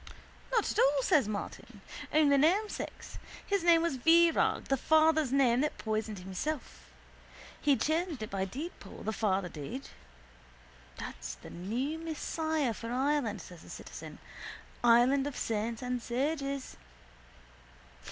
—Not at all, says Martin. Only namesakes. His name was Virag, the father's name that poisoned himself. He changed it by deedpoll, the father did. —That's the new Messiah for Ireland! says the citizen. Island of saints and sages!